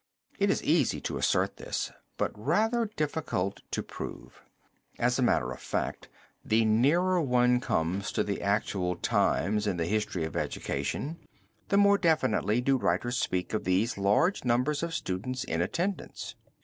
It is easy to assert this but rather difficult to prove. As a matter of fact the nearer one comes to the actual times in the history of education, the more definitely do writers speak of these large numbers of students in attendance.